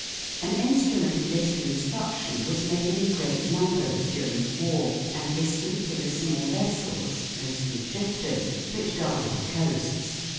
An instrument of this construc tion was made in great numbers during the war and issued to the small vessels, mostly "drifters," which guarded the coasts.